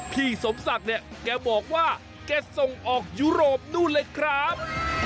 พี่สมศักดิ์เนี่ยแกบอกว่าแกส่งออกยุโรปนู่นเลยครับ